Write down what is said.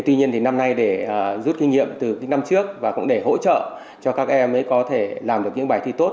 tuy nhiên thì năm nay để rút kinh nghiệm từ những năm trước và cũng để hỗ trợ cho các em mới có thể làm được những bài thi tốt